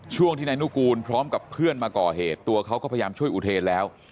ช่วงที่นายนุกูลพร้อมกับเพื่อนมาก่อเหตุตัวเขาก็พยายามช่วยอุเทนแล้ว